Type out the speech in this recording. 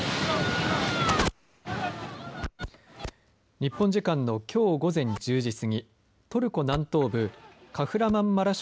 日本時間のきょう午前１０時過ぎトルコ南東部カフラマンマラシュ